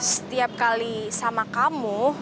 setiap kali sama kamu